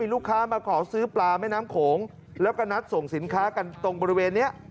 ลูกค้ามาขอซื้อปลาแม่น้ำโขงแล้วก็นัดส่งสินค้ากันตรงบริเวณนี้